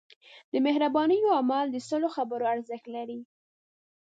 د مهربانۍ یو عمل د سلو خبرو ارزښت لري.